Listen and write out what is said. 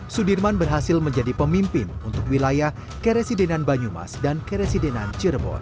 sudirman berhasil menjadi pemimpin untuk wilayah keresidenan banyumas dan keresidenan cirebon